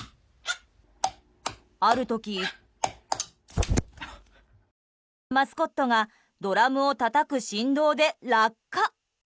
ある時、マスコットがドラムをたたく振動で落下。